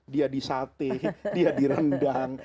dia disate dia direndang